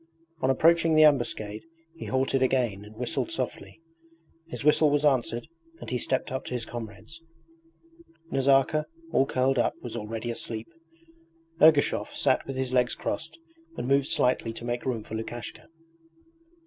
On approaching the ambuscade he halted again and whistled softly. His whistle was answered and he stepped up to his comrades. Nazarka, all curled up, was already asleep. Ergushov sat with his legs crossed and moved slightly to make room for Lukashka.